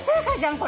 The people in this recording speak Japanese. これ。